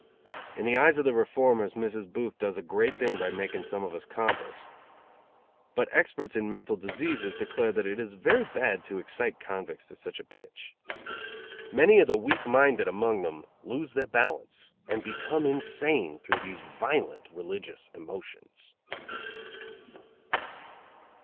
In the eyes of the reformers Mrs. Booth does a great thing by making some of us converts, but experts in mental diseases declare that it is very bad to excite convicts to such a pitch. Many of the weak minded among them lose their balance and become insane through these violent religious emotions.